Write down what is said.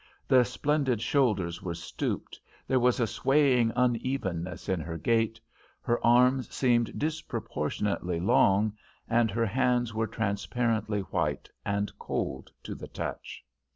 The splendid shoulders were stooped, there was a swaying unevenness in her gait, her arms seemed disproportionately long, and her hands were transparently white, and cold to the touch.